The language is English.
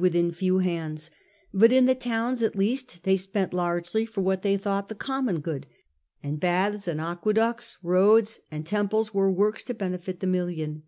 217 within few hands ; but in the towns at least they spent largely for what they thought the common good, and baths and aqueducts, roads and temples were works to benefit the million.